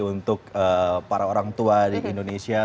untuk para orang tua di indonesia